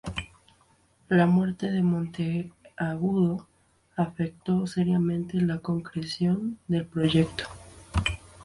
La muerte de Monteagudo afectó seriamente la concreción del proyecto.